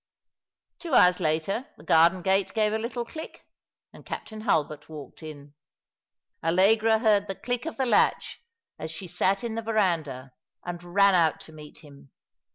Two hours later the garden gate gave a little click, and Captain Hulbert walked in. Allegra heard the click of the latch as she sat in the verandah, and ran out to meet him.